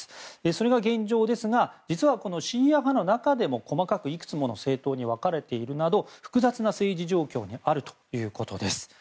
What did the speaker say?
それが現状ですが実は、このシーア派の中でも細かく、いくつもの政党に分かれているなど複雑な政治状況もあるということです。